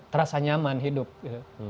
terasa nyaman hidup gitu